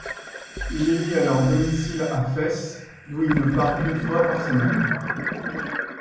Il élit alors domicile à Fès d'où il ne part qu'une fois par semaine.